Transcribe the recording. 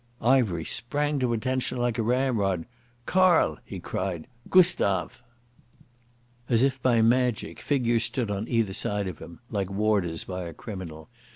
Ivery sprang to attention like a ramrod. "Karl," he cried. "Gustav!" As if by magic figures stood on either side of him, like warders by a criminal.